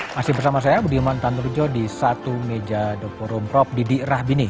masih bersama saya budi man tanurjo di satu meja doktorum prop didi rahbini